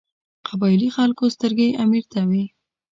قبایلي خلکو سترګې امیر ته وې.